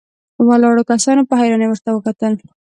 ولاړو کسانو په حيرانۍ ورته وکتل.